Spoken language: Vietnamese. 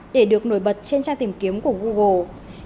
để được nổi bật trên trang tìm kiếm của google